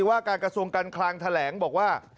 ว่าการกระทรวงการคลังแถลงบอกว่า